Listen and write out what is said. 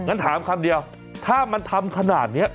ถามคำเดียวถ้ามันทำขนาดนี้